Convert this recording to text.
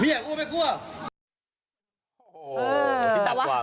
เติ้ลอย่างใจมึงใจกูเป็นข้าราคา